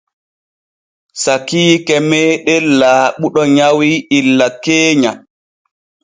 Sakiike meeɗen Laaɓuɗo nyawi illa keenya.